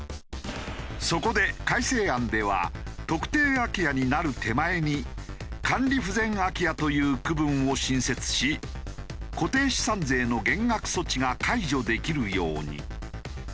そこで改正案では特定空き家になる手前に管理不全空き家という区分を新設し固定資産税の減額措置が解除できるように。